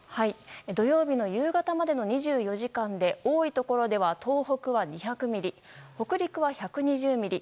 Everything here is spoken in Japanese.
土曜日の夕方までの２４時間で多いところでは東北は２００ミリ北陸は１２０ミリ